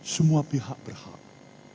semua pihak berharga